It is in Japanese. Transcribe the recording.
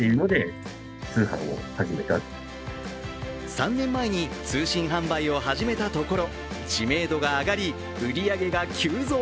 ３年前に通信販売を始めたところ知名度が上がり、売り上げが急増。